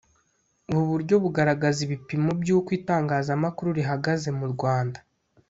ubu buryo bugaragaza ibipimo by’uko itangazamakuru rihagaze mu rwanda